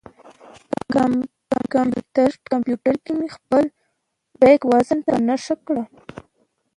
کمپیوټر کې مې د خپل بیک وزن په نښه کړ.